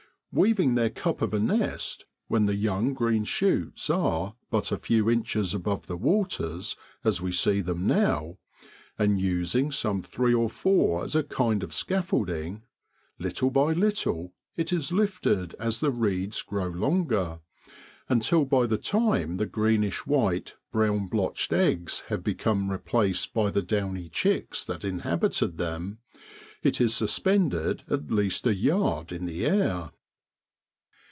Weaving their cup of a nest when the young green shoots are but a few inches above the waters, as we see them now, and using some three or four as a kind of scaffolding, little by little it is lifted as the reeds grow longer, until, by the time the greenish white, brown blotched eggs have become replaced by the downy chicks that inhabited them, it is suspended at least a yard in air